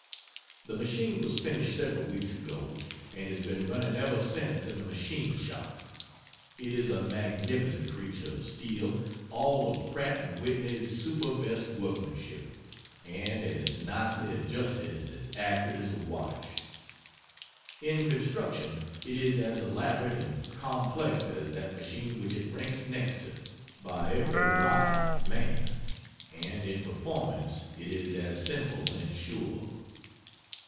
The machine was finished several weeks ago, and has been running ever since in the machine shop. It is a magnificent creature of steel, all of Pratt & Whitney's super best workmanship, and as nicely adjusted and as accurate as a watch. In construction it is as elaborate and complex as that machine which it ranks next to, by every right Man and in performance it is as simple and sure.